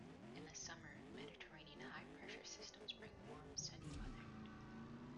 In the summer, Mediterranean high-pressure systems bring warm, sunny weather.